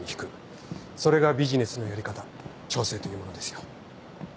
それがビジネスのやり方調整というものですよ。